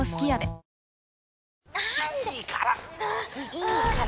いいから！